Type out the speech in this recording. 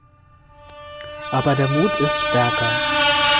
Aber der Mut ist stärker.